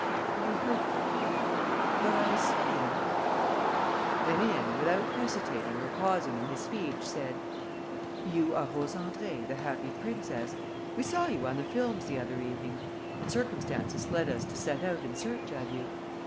You heard what I was saying ...?" Rénine, without hesitating or pausing in his speech, said: "You are Rose Andrée, the Happy Princess. We saw you on the films the other evening; and circumstances led us to set out in search of you